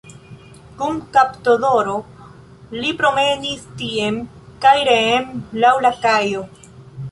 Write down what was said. Kun kapdoloro li promenis tien kaj reen laŭ la kajo.